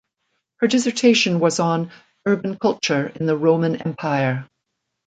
Her dissertation was on "Urban Culture in the Roman Empire".